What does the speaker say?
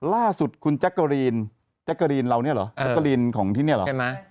ล่าสุดคุณแจ๊กกะรีนแจ๊กเกอรีนเราเนี่ยเหรอแจ๊กกะลีนของที่นี่เหรอใช่ไหม